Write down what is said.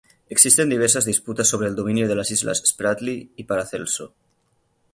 Existen diversas disputas sobre el dominio de las islas Spratly y Paracelso.